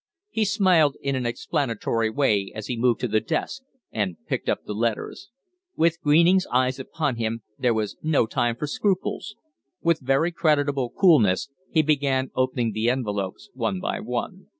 He smiled in an explanatory way as he moved to the desk and picked up the letters. With Greening's eyes upon him, there was no time for scruples. With very creditable coolness he began opening the envelopes one by one.